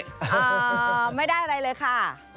ไม่ได้อะไรเลยค่ะ